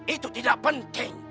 itu tidak penting